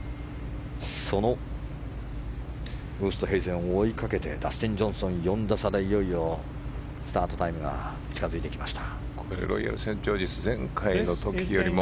そのウーストヘイゼンを追いかけてダスティン・ジョンソンいよいよ４打差でスタートタイムが近づいてきました。